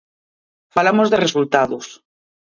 Falamos de resultados.